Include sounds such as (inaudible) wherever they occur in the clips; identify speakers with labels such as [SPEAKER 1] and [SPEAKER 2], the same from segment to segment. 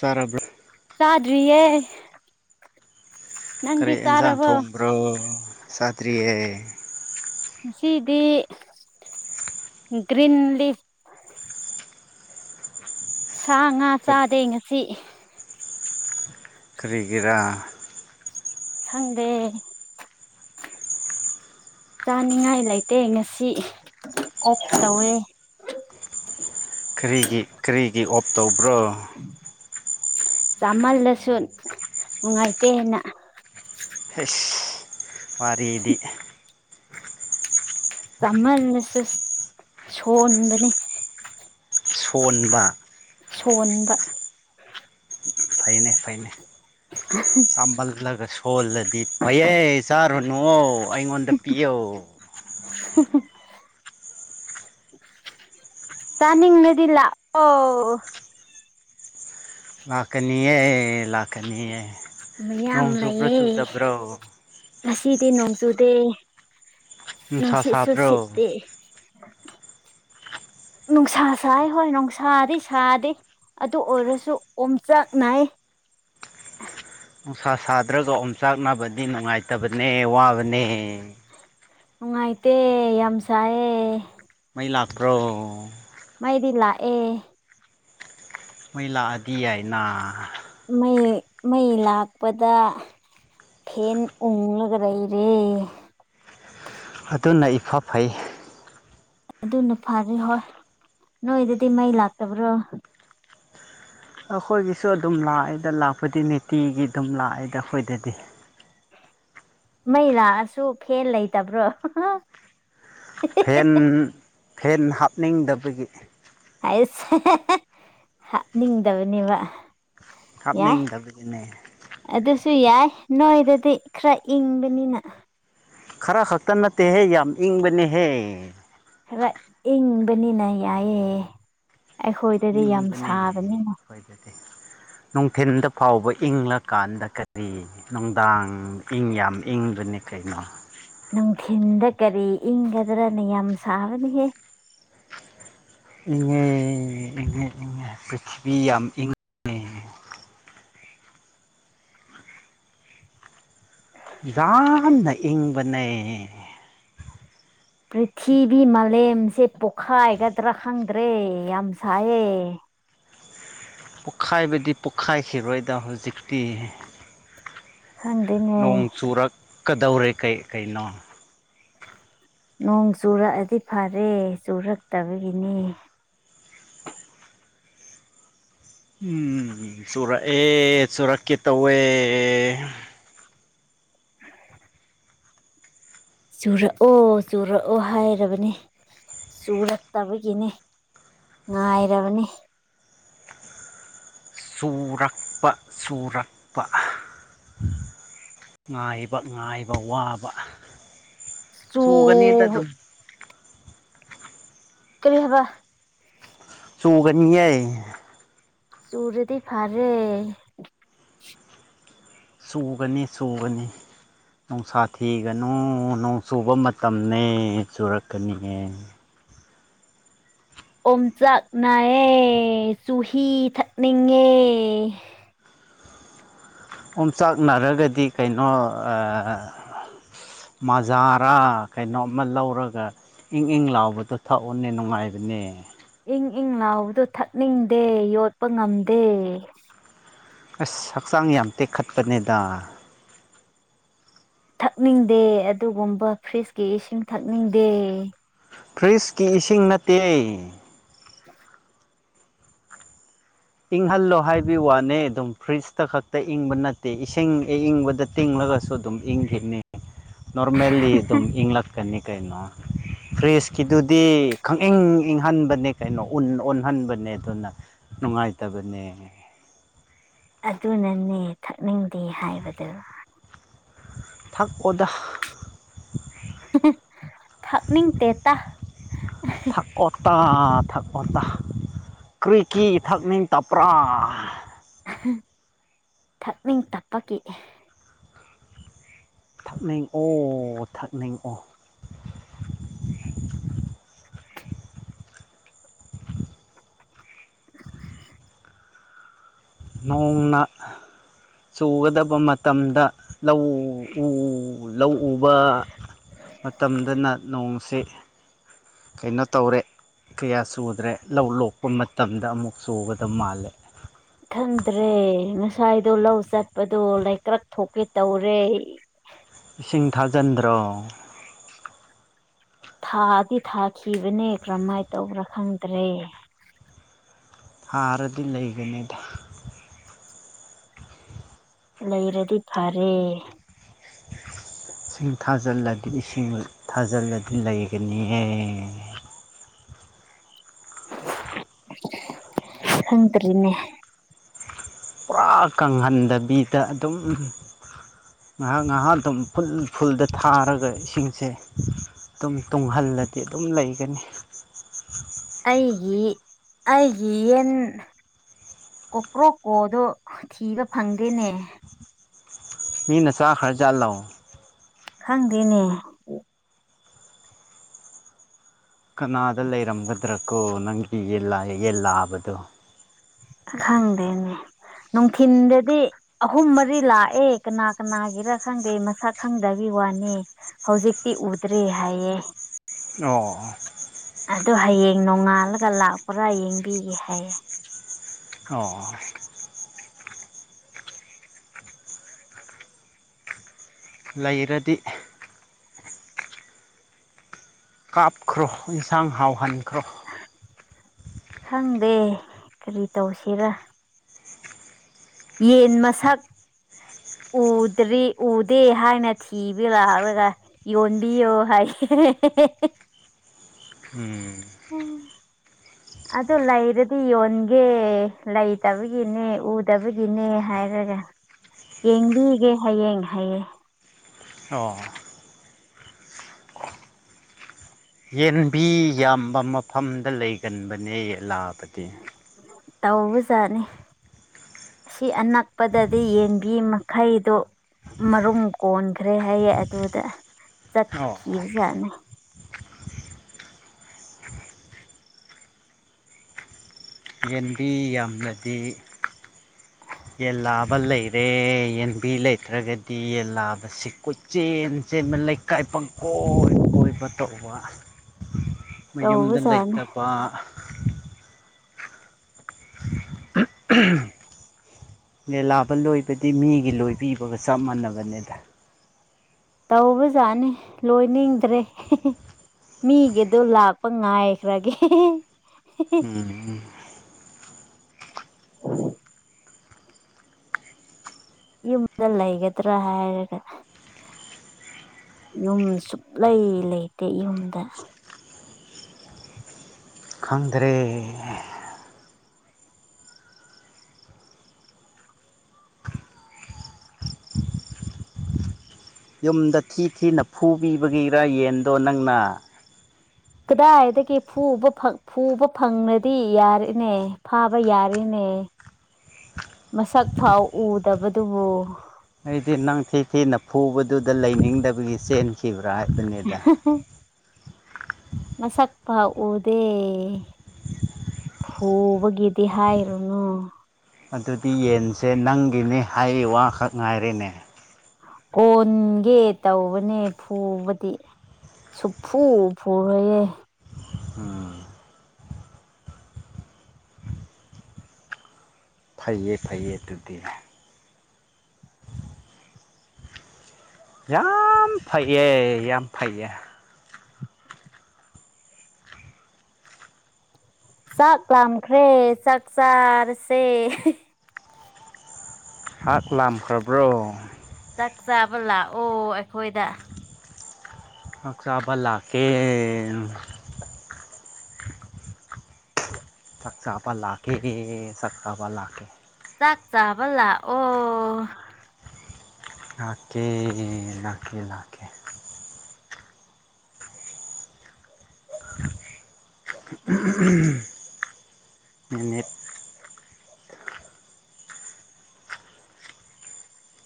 [SPEAKER 1] ꯐꯔꯕꯔ
[SPEAKER 2] ꯆꯥꯗꯔꯤꯌꯦ
[SPEAKER 1] ꯀꯔꯤ ꯑꯦꯟꯁꯥꯡ ꯊꯣꯡꯕ꯭ꯔꯣ ꯆꯗ꯭ꯔꯤꯌꯦ
[SPEAKER 2] ꯁꯤꯗꯤ ꯒ꯭ꯔꯟ ꯂꯤꯞ ꯁꯥ ꯉꯥ ꯆꯥꯗꯦ ꯉꯁꯤ
[SPEAKER 1] ꯀꯔꯤꯒꯔꯥ
[SPEAKER 2] ꯍꯪꯗꯦ ꯆꯥꯅꯤꯡꯉꯥꯏ ꯂꯩꯇꯦ ꯉꯁꯤ ꯑꯣꯐ ꯇꯧꯋꯦ
[SPEAKER 1] ꯀꯔꯤꯒꯤ ꯀꯔꯤꯒꯤ ꯑꯣꯞ ꯇꯧꯕ꯭ꯔꯣ
[SPEAKER 2] ꯆꯃꯜꯗꯁꯨ ꯅꯨꯡꯉꯥꯏꯇꯦꯅ
[SPEAKER 1] ꯍꯩꯁ ꯋꯥꯔꯤꯗꯤ
[SPEAKER 2] ꯆꯥꯃꯜꯂꯁꯨ ꯁꯣꯟꯕꯅꯤ
[SPEAKER 1] ꯁꯣꯟꯕ
[SPEAKER 2] ꯁꯣꯟꯕ
[SPEAKER 1] ꯐꯩꯅꯦ ꯐꯩꯅꯦ ꯁꯝꯕꯜꯒꯂꯒ ꯁꯣꯜꯗꯤ ꯐꯩꯌꯦ ꯆꯥ ꯔꯨꯅꯨ ꯑꯩꯉꯣꯟꯗ ꯄꯤꯌꯣ
[SPEAKER 2] ꯍꯝꯍꯝ ꯆꯥꯅꯤꯡꯂꯗꯤ ꯂꯥꯛꯑꯣ
[SPEAKER 1] ꯂꯥꯛꯀꯅꯤꯌꯦ ꯂꯥꯛ ꯂꯥꯛꯀꯅꯤꯌꯦ
[SPEAKER 2] ꯃꯌꯥꯝ
[SPEAKER 1] ꯅꯣꯡ ꯆꯨꯕ꯭ꯔꯣ
[SPEAKER 2] ꯂꯩꯌꯦ
[SPEAKER 1] ꯆꯨꯗꯕ꯭ꯔꯣ
[SPEAKER 2] ꯉꯁꯤꯗꯤ ꯅꯣꯡꯆꯨꯗꯦ
[SPEAKER 1] ꯅꯨꯡꯁꯥ
[SPEAKER 2] ꯅꯨꯡꯁꯤꯠꯁꯨ
[SPEAKER 1] ꯁꯥꯕ꯭ꯔꯣ
[SPEAKER 2] ꯁꯤꯠꯇꯦ ꯅꯨꯡꯁꯥ ꯁꯥꯏ ꯍꯣꯏ ꯅꯨꯡꯁꯥꯗꯤ ꯁꯥꯗꯦ ꯑꯗꯨ ꯑꯣꯏꯔꯁꯨ ꯑꯣꯝꯆꯥꯛ ꯅꯥꯌꯦ
[SPEAKER 1] ꯅꯨꯡꯁꯥ ꯁꯥꯗ꯭ꯔꯒ ꯑꯣꯝ ꯆꯥꯛꯅꯕꯗꯤ ꯅꯨꯡꯉꯥꯏꯇꯕꯅꯦ ꯋꯥꯕꯅꯦ
[SPEAKER 2] ꯅꯨꯡꯉꯥꯏꯇꯦ ꯌꯥꯝ ꯁꯥꯏꯌꯦ
[SPEAKER 1] ꯗꯤ ꯂꯥꯛꯈ꯭ꯔꯣ
[SPEAKER 2] ꯃꯩꯗꯤ ꯂꯥꯛꯑꯦ
[SPEAKER 1] ꯃꯩ ꯂꯥꯛꯑꯗꯤ ꯌꯥꯏꯅ
[SPEAKER 2] ꯃꯩ ꯃꯩ ꯂꯥꯛꯄꯗ ꯐꯦꯟ ꯎꯪꯂꯒꯂꯩꯔꯦ
[SPEAKER 1] ꯑꯗꯨꯅ ꯏꯐ ꯐꯩ
[SPEAKER 2] ꯑꯗꯨꯅ ꯐꯔꯦ ꯍꯣꯏ ꯅꯣꯏꯗꯗꯤ ꯃꯩ ꯂꯥꯛꯇꯕ꯭ꯔꯣ
[SPEAKER 1] ꯑꯩꯈꯣꯏꯒꯤꯁꯨ ꯑꯗꯨꯝ ꯂꯥꯛꯑꯦꯗ ꯂꯥꯛꯄꯗꯤ ꯅꯤꯡꯇꯤꯒꯤ ꯑꯗꯨꯝ ꯂꯥꯛꯑꯦꯗ ꯑꯩꯈꯣꯏꯗꯗꯤ
[SPEAKER 2] ꯃꯩ ꯂꯥꯛꯑꯁꯨ ꯐꯦꯟ ꯂꯩꯇꯕ꯭ꯔꯣ
[SPEAKER 1] ꯐꯦꯟ ꯐꯦꯟ ꯍꯥꯞꯅꯤꯡꯗꯕꯒꯤ
[SPEAKER 2] ꯑꯩꯁ ꯑꯍꯍꯍ ꯍꯥꯞꯅꯤꯡꯗꯕꯅꯦꯕ
[SPEAKER 1] ꯍꯥꯞꯅꯤꯡꯗꯕꯒꯤꯅꯦ
[SPEAKER 2] ꯁꯨ ꯌꯥꯏ ꯅꯣꯏꯗꯗꯤ ꯈꯔ ꯏꯪꯕꯅꯤꯅ
[SPEAKER 1] ꯈꯔ ꯈꯛꯇ ꯅꯠꯇꯦꯍꯦ ꯌꯥꯝ ꯏꯪꯕꯅꯦꯍꯦ
[SPEAKER 2] ꯈꯔ ꯏꯪꯕꯅꯤꯅ ꯌꯥꯌꯦ ꯑꯩꯈꯣꯏꯗꯗꯤ ꯌꯥꯝ
[SPEAKER 1] ꯏꯪꯕꯅꯦ
[SPEAKER 2] ꯁꯥꯕꯅꯤꯅ
[SPEAKER 1] ꯑꯩꯈꯣꯏꯗꯗꯤ ꯅꯨꯡꯊꯤꯟꯗ ꯐꯥꯎꯕ ꯏꯪꯂꯀꯥꯟꯗ ꯀꯔꯤ ꯅꯨꯡꯗꯥꯡ ꯏꯪ ꯌꯥꯝ ꯏꯪꯕꯅꯤ ꯅꯤꯀꯩꯅꯣ
[SPEAKER 2] ꯅꯨꯡꯊꯤꯟꯗ ꯀꯔꯤ ꯏꯪꯒꯗ꯭ꯔꯥꯅꯦ ꯌꯥꯝ ꯁꯥꯔꯅꯤꯍꯦ
[SPEAKER 1] ꯏꯪꯉꯦ ꯏꯪꯉꯦ ꯏꯪꯉꯦ ꯄ꯭ꯔꯤꯊꯤꯕꯤ ꯌꯥꯝ ꯏꯪꯉꯦ ꯌꯥꯝꯅ ꯏꯪꯕꯅꯦ
[SPEAKER 2] ꯄ꯭ꯔꯤꯊꯤꯕꯤ ꯃꯥꯂꯦꯝꯁꯦ ꯄꯣꯛꯈꯥꯏꯒꯗ꯭ꯔꯥ ꯈꯪꯗ꯭ꯔꯦ ꯌꯥꯝ ꯁꯥꯏꯌꯦ
[SPEAKER 1] ꯄꯣꯛꯈꯥꯏꯕꯗꯤ ꯄꯣꯛꯈꯥꯏꯈꯤꯔꯣꯏꯗ ꯍꯧꯖꯤꯛꯇꯤ
[SPEAKER 2] ꯈꯪꯗꯦꯅꯦ
[SPEAKER 1] ꯀꯗꯧꯔꯦ ꯀꯩ ꯀꯩꯅꯣ
[SPEAKER 2] ꯅꯣꯡ ꯆꯨꯔꯛꯑꯗꯤ ꯐꯔꯦ ꯆꯨꯔꯛꯇꯕꯒꯤꯅꯤ
[SPEAKER 1] ꯎꯝ ꯆꯨꯔꯛꯑꯦ ꯆꯨꯔꯛꯀꯦ ꯇꯧꯋꯦ
[SPEAKER 2] ꯆꯨꯔꯛꯑꯣ ꯆꯨꯔꯛꯑꯣ ꯍꯥꯏꯔꯕꯅꯤ ꯆꯨꯔꯛꯇꯕꯒꯤꯅꯦ ꯉꯥꯏꯔꯕꯅꯤ
[SPEAKER 1] ꯆꯨꯔꯛꯄ ꯆꯨꯔꯛꯄ ꯉꯥꯏꯕ ꯉꯥꯏꯕ ꯋꯥꯕ
[SPEAKER 2] ꯆꯨ
[SPEAKER 1] ꯆꯨꯒꯅꯦꯗ ꯑꯗꯨꯝ
[SPEAKER 2] ꯀꯔꯤ ꯍꯥꯏꯕ
[SPEAKER 1] ꯆꯨꯒꯅꯤꯌꯦ
[SPEAKER 2] ꯆꯨꯔꯗꯤ ꯐꯔꯦ
[SPEAKER 1] ꯁꯨꯒꯅꯤ ꯁꯨꯒꯅꯤ ꯅꯨꯡꯁꯥ ꯊꯤꯒꯅꯨ ꯅꯣꯡ ꯆꯨꯕ ꯃꯇꯝꯅꯤꯅꯦ ꯆꯨꯔꯛꯀꯅꯤꯉ
[SPEAKER 2] ꯑꯣꯝꯆꯥꯛ ꯅꯥꯏꯑꯌꯦ ꯆꯨꯍꯤ ꯊꯛꯅꯤꯡꯉꯦ (unintelligible) (inaudible)
[SPEAKER 1] ꯌꯝꯆꯥꯛ ꯅꯥꯔꯒꯗꯤ ꯀꯩꯅꯣ ꯃꯖꯥꯔꯥ ꯀꯩꯅꯣꯝꯃ ꯂꯧꯔꯒ ꯏꯪ ꯏꯪ ꯂꯥꯎꯕꯗꯣ ꯊꯛꯑꯣꯅꯦ ꯅꯨꯡꯉꯥꯏꯕꯅꯦ
[SPEAKER 2] ꯏꯪ ꯏꯪ ꯂꯥꯎꯕꯗ ꯊꯛꯅꯤꯡꯗꯦ ꯌꯣꯠꯄ ꯉꯝꯗꯦ
[SPEAKER 1] ꯑꯁ ꯍꯛꯆꯥꯡ ꯌꯥꯝ ꯇꯦꯛꯈꯠꯄꯅꯤꯗ
[SPEAKER 2] ꯊꯛꯅꯤꯡꯗꯦ ꯑꯗꯨꯒꯨꯝꯕ ꯐ꯭ꯔꯤꯖꯀꯤ ꯏꯁꯤꯡ ꯊꯛꯅꯤꯡꯗꯦ
[SPEAKER 1] ꯐ꯭ꯔꯤꯖꯀꯤ ꯏꯁꯤꯡ ꯅꯠꯇꯦ
[SPEAKER 2] (unintelligible) (inaudible)
[SPEAKER 1] ꯏꯪꯍꯜꯂꯣ ꯍꯥꯏꯕꯒꯤ ꯋꯥꯅꯦ ꯑꯗꯨꯝ ꯐ꯭ꯔꯤꯖꯇ ꯈꯛꯇ ꯏꯪꯕ ꯅꯠꯇꯦ ꯏꯁꯤꯡ ꯏꯪꯕꯗ ꯇꯤꯡꯂ ꯒꯁꯨ ꯑꯗꯨꯝ ꯍꯪꯒꯤꯤꯅꯤ ꯅꯣꯔꯃꯦꯜꯂꯤ ꯑꯗꯨꯝ ꯏꯤꯡ ꯂꯥꯛ ꯀꯅꯤ ꯀꯩꯅꯩꯅꯣ ꯐꯔꯤꯖꯀꯤꯗꯨꯗꯤ ꯈꯪ ꯏꯪ ꯏꯪꯍꯟꯕꯅꯦ ꯀꯩꯅꯣ ꯑꯣꯟꯍꯟꯕꯅꯦ ꯑꯗꯨꯅ ꯅꯨꯡꯉꯥꯏ ꯇꯥꯕꯅꯦ
[SPEAKER 2] ꯑꯗꯨꯅꯅꯦ ꯊꯛꯅꯤꯡꯗꯦ ꯍꯥꯏꯕꯗꯨ
[SPEAKER 1] ꯊꯀ ꯑꯣꯗ
[SPEAKER 2] ꯊꯛꯅꯤꯡ ꯇꯦ ꯇ
[SPEAKER 1] ꯊꯛꯄꯇ ꯀꯨꯔꯤꯏ ꯀꯤ ꯏꯊꯛꯅꯤꯡ ꯇꯞꯄ꯭ꯔꯥ
[SPEAKER 2] ꯊꯛꯅꯤꯡ ꯇꯞꯄꯒꯤ
[SPEAKER 1] ꯊꯛꯅꯤꯡ ꯑꯣ ꯊꯛꯅꯤꯡ ꯑꯣ
[SPEAKER 2] (unintelligible) (inaudible)
[SPEAKER 1] ꯅꯣꯡꯅꯥ ꯆꯨꯒꯗꯕ ꯃꯇꯝꯗ ꯂꯧ ꯎꯕ ꯃꯇꯝꯗꯅ ꯅꯣꯡꯁꯤ ꯀꯩꯅꯣ ꯇꯧꯔꯦ ꯀꯌꯥ ꯆꯨꯗ꯭ꯔꯦ ꯂꯧ ꯂꯣꯛꯄ ꯃꯇꯝꯗ ꯑꯃꯨꯛ ꯆꯨꯒꯗ ꯃꯥꯜꯂꯦ
[SPEAKER 2] ꯈꯪꯗ꯭ꯔꯦ ꯉꯁꯥꯏꯗꯣ ꯂꯧ ꯆꯠꯄꯗꯣ ꯂꯩꯀ꯭ꯔꯛ ꯊꯣꯛꯀꯦ ꯇꯧꯔꯦ
[SPEAKER 1] ꯁꯤꯡꯊꯥꯖꯟꯗ꯭ꯔ
[SPEAKER 2] ꯊꯥꯗꯤ ꯊꯥꯈꯤꯕꯅꯦ ꯀꯔꯝꯍꯥꯏꯅ ꯇꯧꯕ꯭ꯔꯥ ꯈꯪꯗ꯭ꯔꯦ
[SPEAKER 1] ꯑꯔꯗꯤ ꯂꯩꯒꯅꯤꯗ
[SPEAKER 2] ꯂꯩꯔꯗꯤ ꯐꯔꯦ
[SPEAKER 1] ꯏꯁꯤꯡ ꯊꯥꯖꯜꯂꯗꯤ ꯏꯁꯤꯡ ꯊꯥꯖꯜꯂꯗꯤ ꯂꯩꯒꯅꯤꯍꯦ
[SPEAKER 2] (inaudible) ꯁꯪꯇꯔꯤꯅꯦ
[SPEAKER 1] ꯄꯨꯔꯥ ꯀꯪꯍꯟꯗꯕꯤꯗ ꯑꯗꯨꯝ ꯉꯥꯏꯍꯥꯛ ꯉꯥꯏꯍꯥꯛ ꯑꯗꯨꯝ ꯐꯨꯜꯗ ꯊꯥꯔꯒ ꯏꯁꯤꯡꯁꯦ ꯑꯗꯨꯝ ꯇꯨꯡꯍꯜꯂ ꯈꯜꯂꯗꯤ ꯑꯗꯨꯝ ꯂꯩꯒꯅꯤ
[SPEAKER 2] ꯑꯩꯒꯤ ꯑꯩꯒꯤ ꯌꯦꯟ ꯀꯣꯀ꯭ꯔꯣꯀꯣꯗꯣ ꯊꯤꯕ ꯐꯪꯗꯦꯅꯦ
[SPEAKER 1] ꯃꯤ ꯅꯆꯥ ꯈꯔ ꯆꯥꯠ ꯂꯑꯣꯣ
[SPEAKER 2] ꯈꯪꯗꯦꯅꯦ
[SPEAKER 1] ꯀꯅꯥꯗ ꯂꯩꯔꯝꯒꯗ꯭ꯔ ꯀꯣ ꯅꯪꯒꯤ ꯌꯦꯟ ꯂꯥꯕꯗꯣ
[SPEAKER 2] ꯈꯪꯗꯅꯦ ꯅꯨꯡꯊꯤꯤꯟꯗꯗꯤ ꯑꯍꯨꯝ ꯃꯔꯤ ꯂꯥꯛꯑꯦ ꯀꯅꯥ ꯀꯅꯥꯒꯤꯔꯥ ꯈꯪꯗꯦ ꯃꯁꯛ ꯈꯪꯗꯕꯤ ꯋꯥꯅꯤ ꯍꯧꯖꯤꯛꯇꯤ ꯎꯗ꯭ꯔꯦ ꯍꯥꯏꯌꯦꯦ
[SPEAKER 1] ꯑꯣ (inaudible)
[SPEAKER 2] ꯍꯌꯦꯡ ꯅꯣꯡꯉꯥꯜꯂꯒ ꯂꯥꯛꯄ꯭ꯔꯥ ꯌꯦꯡꯕꯤꯒꯦ ꯍꯥꯏꯌꯦ
[SPEAKER 1] ꯑꯣ ꯂꯩꯔꯗꯤ ꯀꯥꯞꯈ꯭ꯔꯣ ꯏꯟꯁꯥꯡ ꯍꯥꯎꯍꯅꯤ
[SPEAKER 2] ꯈꯪꯗꯦ ꯀꯔꯤ ꯇꯧꯁꯤꯔ ꯌꯦꯟ ꯃꯁꯛ ꯎ ꯎꯗ꯭ꯔꯤ ꯎꯗꯦ ꯍꯥꯏꯅ ꯊꯤꯕ ꯂꯥꯛꯂꯒ ꯌꯣꯟꯕꯤꯌꯣ ꯍꯥꯏꯦ (unintelligible)
[SPEAKER 1] ꯎꯝ
[SPEAKER 2] ꯑꯗꯨ ꯂꯩꯔꯗꯤ ꯌꯣꯟꯒꯦ ꯂꯩꯇꯕꯒꯤꯅꯦ ꯎꯗꯕꯒꯤꯅꯦ ꯍꯥꯏꯔ ꯌꯦꯡꯕꯤꯒꯦ ꯍꯌꯦꯡ ꯍꯌꯦꯡ
[SPEAKER 1] ꯑꯣ ꯌꯦꯟꯕꯤ ꯌꯥꯝꯕ ꯃꯐꯝꯗ ꯂꯩꯒꯟꯕꯅꯦ ꯂꯥꯕꯗꯤ
[SPEAKER 2] ꯇꯧꯕꯖꯥꯠꯅꯤ ꯑꯁꯤ ꯑꯅꯛꯄꯗꯗꯤ ꯌꯦꯡꯕꯤꯃ ꯈꯩꯗꯣ ꯃꯔꯨꯝ ꯀꯣꯟꯈ꯭ꯔꯦ ꯍꯥꯏꯌꯦ ꯑꯗꯨꯗ
[SPEAKER 1] ꯑꯣ
[SPEAKER 2] ꯆꯠꯈꯤꯕꯈꯤꯕꯖꯅ
[SPEAKER 1] ꯌꯦꯟꯕꯤ ꯌꯥꯝꯅꯗꯤ
[SPEAKER 2] ꯑ
[SPEAKER 1] ꯌꯦꯟ ꯂꯥꯕ ꯂꯩꯔꯦ ꯌꯦꯟꯕꯤ ꯂꯩꯇ꯭ꯔꯒꯗꯤ ꯌꯦꯟ ꯂꯥꯕꯁꯤ ꯀꯣꯏꯠꯆꯦꯟ ꯆꯦꯟ ꯂꯩꯀꯥꯏ ꯄꯪꯀꯣꯏ ꯀꯣꯏꯕ ꯇꯧꯕ ꯃꯌꯨꯝꯗ
[SPEAKER 2] ꯇꯧꯕꯖꯥꯠꯅꯤ
[SPEAKER 1] ꯂꯩꯇꯕ (inaudible) ꯃꯦꯂꯥꯕ ꯂꯣꯏꯕꯗꯤ ꯃꯤꯒꯤ ꯂꯣꯏꯕꯤꯕꯒ ꯆꯞ ꯃꯥꯟꯅꯕꯅꯤꯗ
[SPEAKER 2] ꯇꯧꯕꯖꯥꯠꯅꯤ ꯂꯣꯏꯅꯤꯡꯗ꯭ꯔꯦ ꯃꯤꯒꯤꯗꯣ ꯂꯥꯛꯄ ꯉꯥꯏꯈ꯭ꯔꯒꯦ
[SPEAKER 1] ꯎꯝ
[SPEAKER 2] ꯑꯣ ꯌꯨꯝꯗ ꯂꯩꯒꯗ꯭ꯔꯥ ꯍꯥꯏꯔꯒ ꯌꯨꯝ ꯁꯨꯛꯂꯩ ꯂꯩꯇꯦ ꯌꯨꯝꯗ
[SPEAKER 1] ꯈꯪꯗ꯭ꯔꯦ ꯌꯨꯝꯗ ꯊꯤ ꯊꯤꯅ ꯐꯨꯕꯤꯕꯒꯤꯔꯥ ꯌꯦꯟꯗꯣ ꯅꯪꯅ
[SPEAKER 2] ꯀꯗꯥꯏꯗꯒꯤ ꯐꯨꯕ ꯐꯪ ꯐꯨꯕ ꯐꯪꯂꯗꯤ ꯌꯥꯔ‌ꯦꯅꯦ ꯐꯥꯕ ꯌꯥꯔ‌ꯦꯅꯦ ꯃꯁꯛ ꯐꯥꯎ ꯎꯗꯕꯗꯨꯕꯨ
[SPEAKER 1] ꯑꯩꯗꯤ ꯅꯪ ꯊꯤ ꯊꯤꯅ ꯐꯨꯕꯗꯨꯗ ꯂꯩꯅꯤꯡꯗꯕꯒꯤ ꯆꯦꯟꯈꯤꯕ ꯕꯔꯥ ꯍꯥꯏꯕꯅꯤꯗ
[SPEAKER 2] ꯃꯁꯛ ꯐꯥꯛ ꯎꯗꯦ ꯍꯨꯕꯒꯤꯗꯤ ꯍꯥꯏꯔꯨꯅꯨ
[SPEAKER 1] ꯑꯗꯨꯗꯤ ꯌꯦꯟꯁꯦ ꯅꯪꯒꯤꯅꯤ ꯍꯥꯏ ꯋꯥꯈꯛ ꯉꯥꯏꯔ‌ꯦꯅꯦ
[SPEAKER 2] ꯑꯣꯟꯒꯦ ꯇꯧꯕꯅꯦ ꯐꯨꯕꯗꯤ ꯁꯨꯛꯐꯨ ꯐꯨꯔꯣꯏꯌꯦ
[SPEAKER 1] ꯎꯝ ꯐꯩꯌꯦ ꯐꯩꯌꯦ ꯑꯗꯨꯗꯤ ꯌꯥꯝ ꯐꯩꯌꯦ ꯌꯥꯝ ꯐꯩꯌꯦ
[SPEAKER 2] ꯆꯥꯛ ꯂꯥꯝꯈ꯭ꯔꯦ ꯆꯥꯛ ꯆꯥꯔꯁꯦ ꯍ‌ꯦ ꯍ‌ꯦ
[SPEAKER 1] ꯍꯥꯛ ꯂꯥꯝꯈ꯭ꯔꯕ꯭ꯔꯣ
[SPEAKER 2] ꯥꯆꯥꯕ ꯂꯥꯛꯑꯣ ꯑꯩꯈꯣꯏꯗ
[SPEAKER 1] ꯑ ꯆꯥꯕ ꯂꯥꯛꯀꯦ ꯎꯝ ꯆꯥꯛ ꯆꯥꯥꯕ ꯂꯥꯛꯀꯦ ꯆꯥꯛ ꯆꯥꯕ ꯂꯥꯛꯀꯦ
[SPEAKER 2] ꯆꯥꯛ ꯆꯥꯕ ꯂꯥꯛꯑꯣ
[SPEAKER 1] ꯂꯥꯛꯀꯦ ꯂꯥꯛꯀꯦ ꯂꯥꯛꯀꯦ ꯑ ꯑꯍꯝ ꯅꯨꯃꯤꯠ
[SPEAKER 2] (inaudible)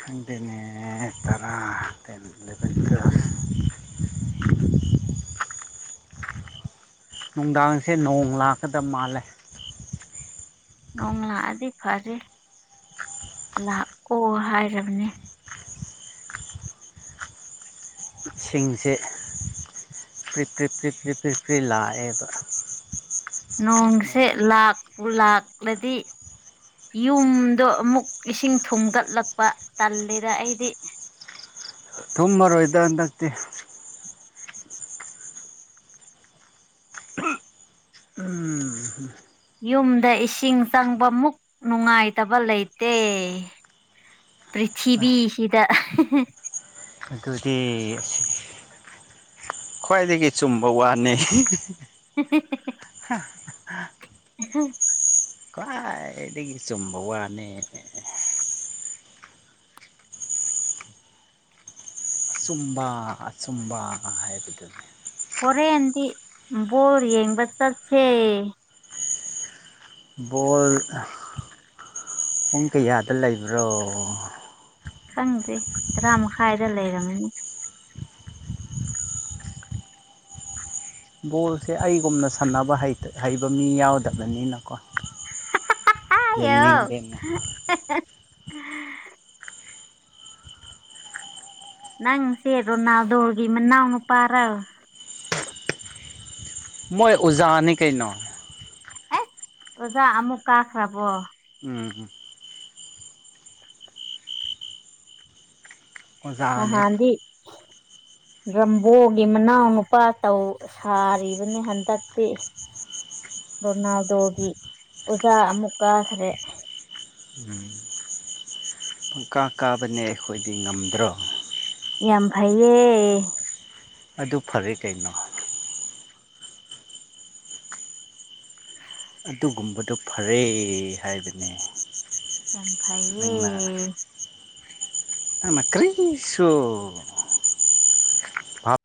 [SPEAKER 1] ꯈꯪꯗ‌ꯦꯅꯦ ꯑꯥ ꯇꯔꯥ ꯇ‌ꯦꯟ (unintelligible)
[SPEAKER 2] (inaudible)
[SPEAKER 1] ꯅꯨꯡꯗꯥꯡꯁꯦ ꯅꯣꯡ ꯂꯥꯛꯀꯗꯕ ꯃꯥꯜꯂꯦ
[SPEAKER 2] ꯅꯣꯡ ꯂꯥꯛꯑꯗꯤ ꯐꯔꯦ ꯂꯥꯛꯑꯣ ꯍꯥꯏꯔꯕꯅꯦ
[SPEAKER 1] ꯁꯤꯡꯁꯦ ꯄ꯭ꯔꯤ ꯄ꯭ꯔꯤ ꯄ꯭ꯔꯤ ꯄ꯭ꯔꯤ ꯄ꯭ꯔꯤ ꯄ꯭ꯔꯤ ꯂꯥꯛꯑꯦꯕ
[SPEAKER 2] ꯅꯣꯡꯁꯦ ꯂꯥꯛꯄꯨ ꯂꯥꯛꯂꯗꯤ ꯌꯨꯝꯗꯣ ꯑꯃꯨꯛ ꯏꯁꯤꯡ ꯊꯨꯝꯒꯠꯂꯛꯄ ꯇꯜꯂꯤꯗ ꯑꯩꯗꯤ
[SPEAKER 1] ꯊꯨꯝꯃꯔꯣꯏꯗ ꯍꯟꯗꯛꯇꯤ ꯎꯝ
[SPEAKER 2] ꯌꯨꯝꯗ ꯏꯁꯤꯡ ꯆꯪꯕ ꯃꯨꯛ ꯅꯨꯡꯉꯥꯏꯇꯕ ꯂꯩꯇꯦ ꯄ꯭ꯔꯤꯊꯤꯕꯤꯁꯤꯗ
[SPEAKER 1] ꯑꯗꯨꯗꯤ ꯑꯁꯤ ꯈ꯭ꯋꯥꯏꯗꯒꯤ ꯆꯨꯝꯕ ꯋꯥꯅꯤ ꯍꯥ ꯍ ꯈꯋꯥꯏꯗꯒꯤ ꯆꯨꯝꯕ ꯋꯥꯅ‌ꯦ ꯑꯆꯨꯝꯕ ꯑꯆꯨꯝꯕ ꯍꯥꯏꯕꯗꯨꯅꯦ
[SPEAKER 2] ꯍꯣꯔꯦꯟꯗꯤ ꯕꯣꯜ ꯌꯦꯡꯕ ꯆꯠꯁꯦ
[SPEAKER 1] ꯕꯣꯜ ꯑꯥ ꯄꯨꯡ ꯀꯌꯥꯗ ꯂꯩꯕ꯭ꯔꯣ
[SPEAKER 2] ꯈꯪꯗꯦ ꯇꯔꯥ ꯃꯈꯥꯏꯗ ꯂꯩꯔꯝꯒꯅꯤ
[SPEAKER 1] ꯕꯣꯜꯁꯦ ꯑꯩꯒꯨꯝꯅ ꯁꯥꯟꯅꯕ ꯍꯩꯇ ꯍꯩꯕ ꯃꯤ ꯌꯥꯎꯗꯕꯅꯤꯅꯀꯣ
[SPEAKER 2] ꯍꯥꯍꯥ ꯍꯥ ꯍꯥꯏꯌ‌ꯣ
[SPEAKER 1] ꯌꯦꯡꯅꯤꯡꯗꯦꯅꯦ
[SPEAKER 2] ꯅꯪ ꯁꯦꯔꯣꯅꯥꯗꯧꯔꯒꯤ ꯃꯅꯥꯎꯅ ꯄꯥꯔ
[SPEAKER 1] ꯃꯣꯏ ꯎꯖꯥꯅꯤ ꯀꯩꯅ
[SPEAKER 2] ꯑꯁ ꯑꯣꯖꯥ ꯑꯃꯨꯛ ꯀꯥꯈ꯭ꯔꯕꯣ
[SPEAKER 1] ꯎꯝꯝ
[SPEAKER 2] ꯑ
[SPEAKER 1] ꯑꯣꯖꯥꯅꯦ
[SPEAKER 2] ꯍꯗꯤ ꯗ꯭ꯔꯝꯕꯣꯒꯤ ꯃꯅꯥꯎ ꯅꯨꯄꯥ ꯇꯧ ꯁꯥꯔꯤꯕꯅꯤ ꯍꯟꯗꯛꯇꯤ ꯔꯣꯅꯥꯜꯗꯣꯒꯤ ꯑꯣꯖꯥ ꯑꯃꯨꯛ ꯀꯥꯈ꯭ꯔꯦ
[SPEAKER 1] ꯄꯪꯀꯥ ꯀꯥꯕꯅꯦ ꯑꯩꯈꯣꯏꯗꯤ ꯉꯝꯗ꯭ꯔꯣ
[SPEAKER 2] ꯌꯥꯝ ꯐꯩꯌꯦ
[SPEAKER 1] ꯑꯗꯨ ꯐꯔꯦ ꯀꯩꯅꯣ ꯑꯗꯨꯒꯨꯝꯕꯗꯣ ꯐꯔꯦ ꯍꯥꯏꯕꯅꯦ
[SPEAKER 2] ꯑꯦ ꯐꯩꯌꯦ
[SPEAKER 1] ꯅ ꯀ꯭ꯔꯤꯁꯨꯣ